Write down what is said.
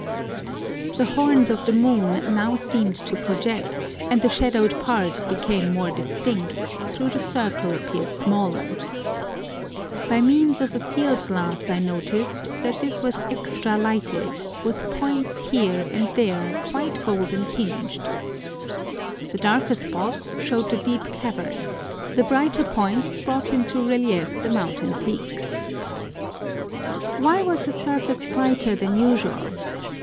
The horns of the moon now seemed to project, and the shadowed part became more distinct, though the circle appeared smaller. By means of a field glass I noticed that this was extra lighted, with points here and there quite golden tinged. The darker spots showed the deep caverns; the brighter points brought into relief the mountain peaks. Why was the surface brighter than usual?